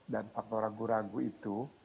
dan faktor ragu ragu itu